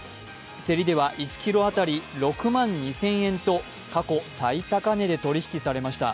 競りでは１ｋｇ当たり６万２０００円と過去最高値で取り引きされました。